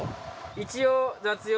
一応雑用。